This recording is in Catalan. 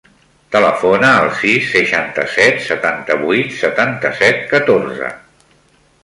Telefona al sis, seixanta-set, setanta-vuit, setanta-set, catorze.